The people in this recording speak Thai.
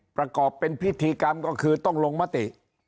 ประกอบเป็นพิธีกรรมก็คือต้องลงมติ